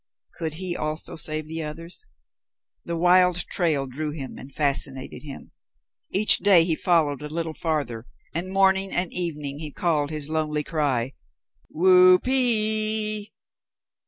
Could he also save the others? The wild trail drew him and fascinated him. Each day he followed a little farther, and morning and evening he called his lonely cry, "Whoopee!